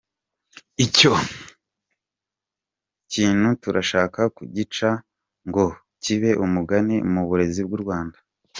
Icyo kintu turashaka kugica ngo kibe umugani mu burezi bw’u Rwanda.